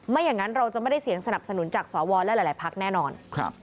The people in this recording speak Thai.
อย่างนั้นเราจะไม่ได้เสียงสนับสนุนจากสวและหลายพักแน่นอน